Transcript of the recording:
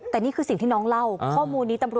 แต่นี่คือสิ่งที่น้องเล่า